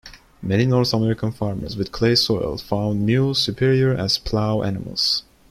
Many North American farmers with clay soil found mules superior as plow animals.